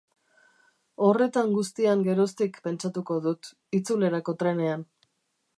Horretan guztian geroztik pentsatuko dut, itzulerako trenean.